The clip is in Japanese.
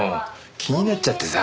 気になっちゃってさ。